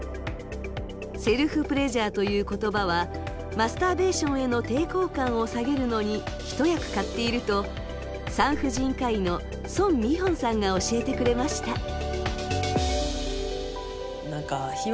セルフプレジャーという言葉はマスターベーションへの抵抗感を下げるのに一役買っていると産婦人科医の宋美玄さんが教えてくれました。